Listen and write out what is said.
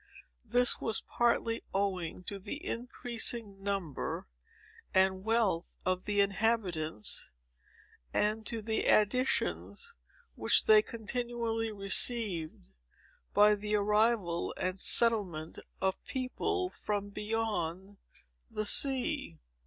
This was partly owing to the increasing number and wealth of the inhabitants, and to the additions which they continually received, by the arrival and settlement of people from beyond the sea.